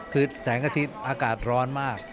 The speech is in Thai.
คือแสงอาทิตย์อากาศร้อนมาก